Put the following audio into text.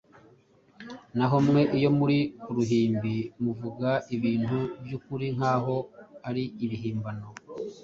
naho mwe iyo muri ku ruhimbi muvuga ibintu by’ukuri nk’aho ari ibihimbano